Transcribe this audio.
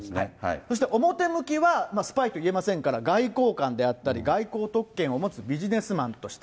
そして表向きは、スパイと言えませんから、外交官であったり、外交特権を持つビジネスマンとして。